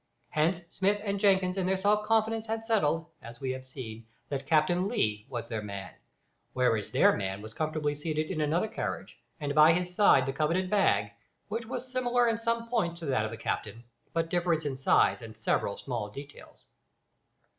Hence Smith and Jenkins in their self confidence had settled, as we have seen, that Captain Lee was "their man," whereas their man was comfortably seated in another carriage, and by his side the coveted bag, which was similar in some points to that of the captain, but different in size and in several small details.